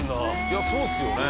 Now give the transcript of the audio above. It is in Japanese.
いやそうですよね。